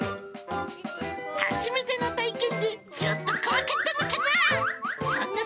初めての体験で、ちょっと怖かったのかな？